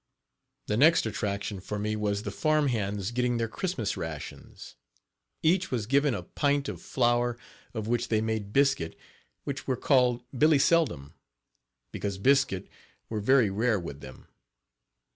The next attraction for me was the farm hands getting their Christmas rations. Each was given a pint of flour of which they made biscuit, which were called "Billy Seldom," because biscuit were very rare with them.